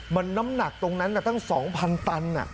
มันน้ำหนักตรงนั้นตั้ง๒๐๐ตัน